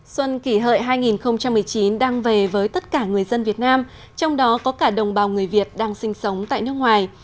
xuân kỷ hợi hai nghìn một mươi chín đang về với tất cả người dân việt nam trong đó có cả đồng bào người việt đang sinh sống tại nước ngoài